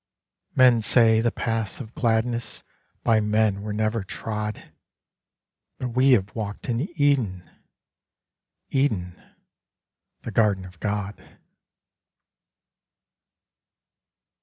_ _Men say: The paths of gladness By men were never trod! But we have walked in Eden, Eden, the garden of God.